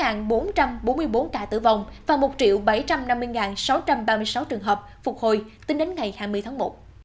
nhật bản có tổng cộng một chín trăm ba mươi ba năm mươi hai ca tử vong và một bảy trăm năm mươi sáu trăm ba mươi sáu trường hợp phục hồi tính đến ngày hai mươi tháng một